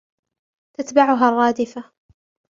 تتبعها الرادفة